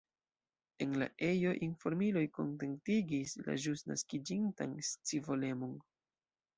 En la ejo informiloj kontentigis la ĵus naskiĝintan scivolemon.